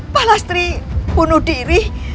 palastri bunuh diri